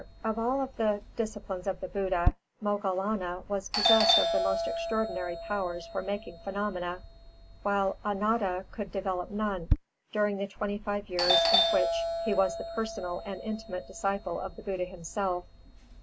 Of all the disciples of the Buddha, Mogallāna was possessed of the most extraordinary powers for making phenomena, while Ānanda could develop none during the twenty five years in which he was the personal and intimate disciple of the Buddha himself.